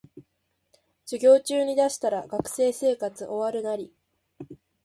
授業中に出したら学生生活終わるナリ